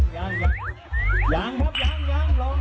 ยางครับยางลอง